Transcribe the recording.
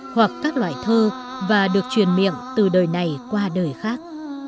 hoặc các loại thơ và được truyền miệng từ đời này qua đời khác